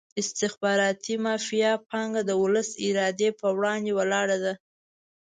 د استخباراتي مافیا پانګه د ولس ارادې په وړاندې ولاړه ده.